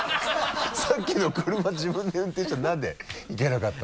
さっきの車自分で運転した何でいけなかったの？